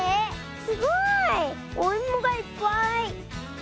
すごい。おいもがいっぱい。